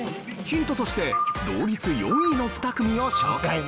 ヒントとして同率４位の２組を紹介。